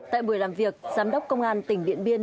tại buổi làm việc giám đốc công an tỉnh điện biên